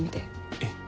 えっ。